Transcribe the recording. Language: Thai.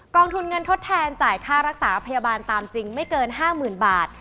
องทุนเงินทดแทนจ่ายค่ารักษาพยาบาลตามจริงไม่เกิน๕๐๐๐บาท